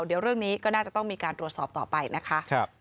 เดี๋ยวเรื่องนี้ก็น่าจะต้องมีการตรวจสอบต่อไปนะคะ